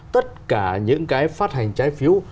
tất cả những cái phát hành trái phiếu